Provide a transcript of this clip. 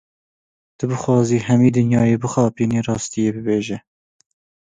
Tu bixwazî hemû dinyayê bixapînî, rastiyê bibêje.